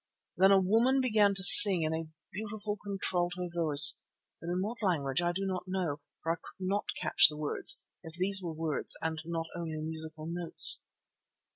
Then a woman began to sing in a beautiful, contralto voice, but in what language I do not know, for I could not catch the words, if these were words and not only musical notes.